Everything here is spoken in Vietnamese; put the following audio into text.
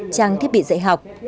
trang thiết bị dạy học